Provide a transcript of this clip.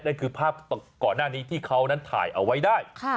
นั่นคือภาพก่อนหน้านี้ที่เขานั้นถ่ายเอาไว้ได้